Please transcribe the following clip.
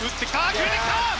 決めてきた！